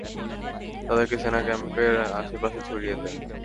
তাদেরকে সেনাক্যাম্পের আশে-পাশে ছড়িয়ে দেয়।